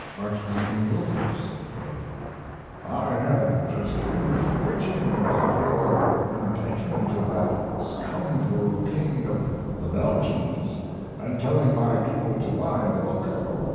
Archdeacon Wilberforce wrote: I have just been preaching about your indictment of that scoundrel king of the Belgians and telling my people to buy the book.